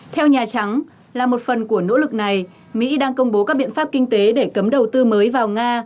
theo nhà trắng là một phần của nỗ lực này mỹ đang công bố các biện pháp kinh tế để cấm đầu tư mới vào nga